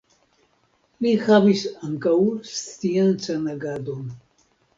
Li havis ankaŭ sciencan agadon.